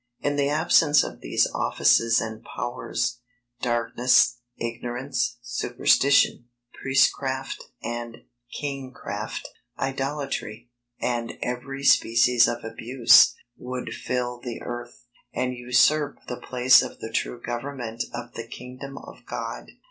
In the absence of these offices and powers, darkness, ignorance, superstition, priestcraft and kingcraft, idolatry, and every species of abuse, would fill the earth, and usurp the place of the true government of the kingdom of God.